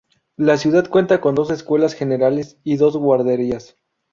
La ciudad cuenta con dos escuelas generales y dos guarderías.